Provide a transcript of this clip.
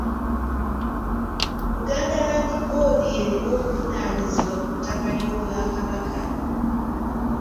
Buganda Land Board y’erina obuvunaanyizibwa ku ttaka ly'Obwakabaka.